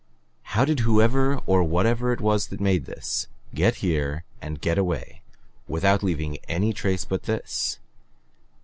"How did whoever or whatever it was that made this, get here and get away without leaving any trace but this?